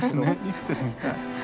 生きてるみたい。